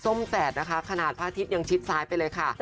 แสดนะคะขนาดพระอาทิตย์ยังชิดซ้ายไปเลยค่ะ